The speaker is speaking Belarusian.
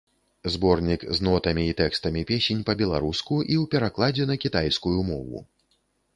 Зборнік з нотамі і тэкстамі песень па-беларуску і ў перакладзе на кітайскую мову.